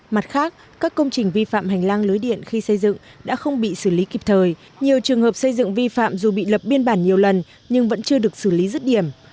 mặt khác các công trình vi phạm hành lang lưới điện khi xây dựng đã không bị xử lý kịp thời nhiều trường hợp xây dựng vi phạm dù bị lập biên bản nhiều lần nhưng vẫn chưa được xử lý rứt điểm